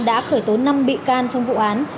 đã khởi tố năm bị can trong vụ án